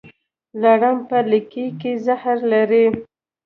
لړم په لکۍ کې زهر لري